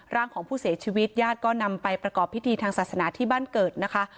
ร่างของผู้เสียชีวิตญาติก็นำไปประกอบพิธีทางศาสนาที่บ้านเกิดนะคะ